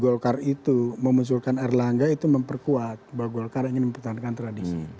golkar itu memunculkan erlangga itu memperkuat bahwa golkar ingin mempertahankan tradisi